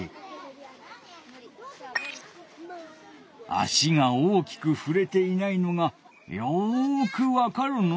足が大きくふれていないのがよくわかるのう。